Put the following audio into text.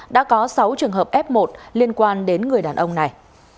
đã có sáu trường hợp f một liên quan đến người đàn ông này